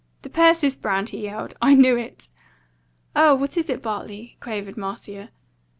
"The Persis Brand!" he yelled. "I knew it!" "Oh, what is it, Bartley?" quavered Marcia.